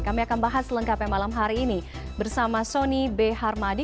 kami akan bahas lengkapnya malam hari ini bersama sony b harmadi